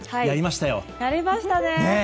やりましたね！